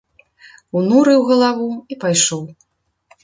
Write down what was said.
Унурыў галаву і пайшоў.